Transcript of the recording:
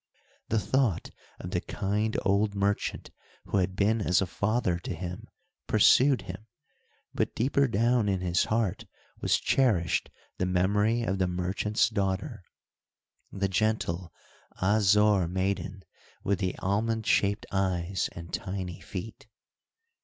The thought of the kind old merchant who had been as a father to him, pursued him, but deeper down in his heart was cherished the memory of the merchant's daughter. The gentle Ah Zore maiden with the almond shaped eyes, and tiny feet.